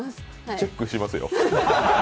チェックしますよ？